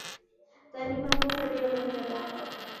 تعلیم او پوهه ډیره مهمه ده.